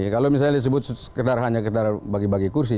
kalau misalnya disebut sekedar hanya sekedar bagi bagi kursi